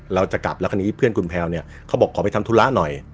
เราจะกลับแล้วคราวนี้เพื่อนคุณแพลวเนี่ยเขาบอกขอไปทำธุระหน่อย